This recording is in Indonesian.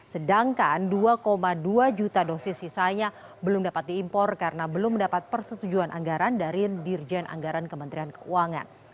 sedangkan dua dua juta dosis sisanya belum dapat diimpor karena belum mendapat persetujuan anggaran dari dirjen anggaran kementerian keuangan